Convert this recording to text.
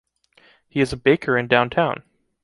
He is a baker in downtown.